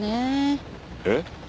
えっ？